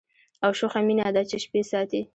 او شوخه مینه ده چي شپې ساتي